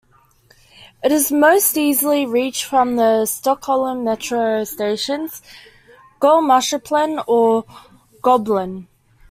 It is most easily reached from the Stockholm metro stations Gullmarsplan or Globen.